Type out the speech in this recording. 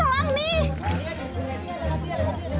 selang nih ini selang nih